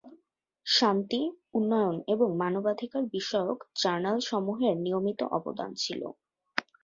শান্তি, উন্নয়ন এবং মানবাধিকার বিষয়ক জার্নাল সমুহের নিয়মিত অবদান ছিলো।